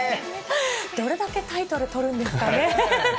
どれだけタイトル取るんですかね。